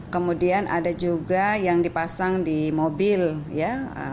kemudian ada juga yang dipasang di mobil ya